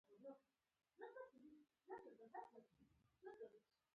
احمد داسې کتاب ليکلی دی چې منګ ورته ولاړم.